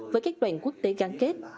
với các đoàn quốc tế gắn kết